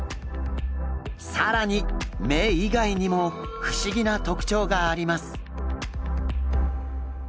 更に目以外にも不思議な特徴があります。